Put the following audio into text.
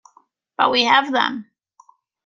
But we have them!